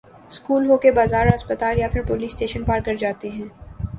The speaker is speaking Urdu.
اسکول ہو کہ بازار ہسپتال یا پھر پولیس اسٹیشن پار کر جاتے ہیں